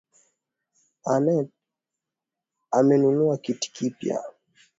Annete amenunua kiti kipya